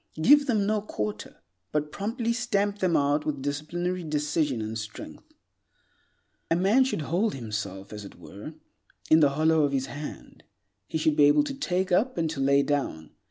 Give them no quarter, but promptly stamp them out with disciplinary decision and strength. A man should hold himself, as it were, in the hollow of his hand. He should be able to take up and to lay down.